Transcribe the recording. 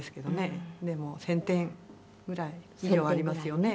でも１０００点ぐらい以上はありますよね。